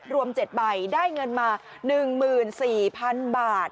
รวม๗ใบได้เงินมา๑๔๐๐๐บาท